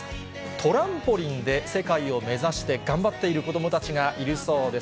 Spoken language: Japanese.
トランポリンで世界を目指して頑張っている子どもたちがいるそうです。